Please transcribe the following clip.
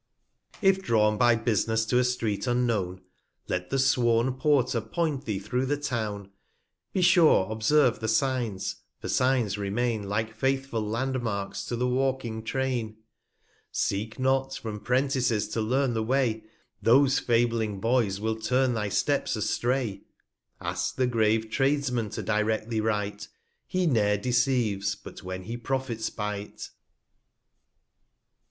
, If drawn by Bus'ness to a Street unknown, 65 Let the sworn Porter point thee through the Town; Be sure observe the Signs, for Signs remain, Like faithful Land marks to the walking Train. Seek not from Prentices to learn the Way, Those fabling Boys will turn thy Steps astray; 70 Ask the grave Tradesman to dire& thee right, I He ne'er deceives, but when he profits by't.